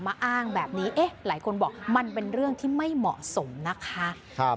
อ้างแบบนี้เอ๊ะหลายคนบอกมันเป็นเรื่องที่ไม่เหมาะสมนะคะ